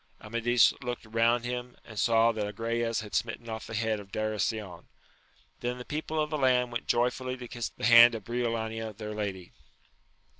Amadis looked round him, and saw that Agrayes had smitten off the head of Darasion. Then the people of the land went joyfully to kiss the hand of Briolania their* lady.